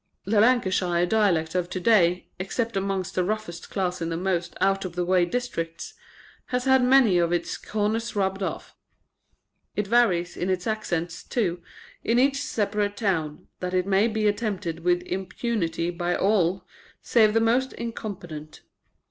The Lancashire dialect of to day except amongst the roughest class in the most out of the way districts has had many of its corners rubbed off. It varies in its accents, too, in each separate town, that it may be attempted with impunity by all save the most incompetent.